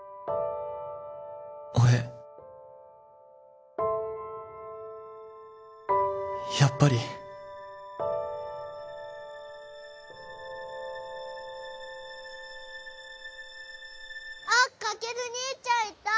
俺やっぱりあっカケル兄ちゃんいた！